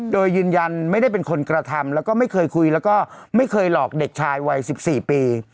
โดยยืนยันไม่ได้เป็นคนกระทำแล้วก็ไม่เคยคุยแล้วก็ไม่เคยหลอกเด็กชายวัย๑๔ปี